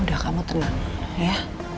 udah kamu tenang ya